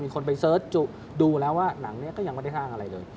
คนไปเสิร์ชดูแล้วว่าหลังนี้ก็ยังไม่ได้ห้างอะไรเลย